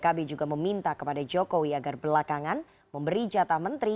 pkb juga meminta kepada jokowi agar belakangan memberi jatah menteri